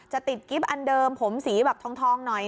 ติดกิ๊บอันเดิมผมสีแบบทองหน่อย